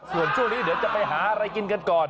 ส่วนช่วงนี้เดี๋ยวจะไปหาอะไรกินกันก่อน